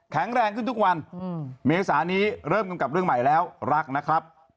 แรงขึ้นทุกวันเมษานี้เริ่มกำกับเรื่องใหม่แล้วรักนะครับ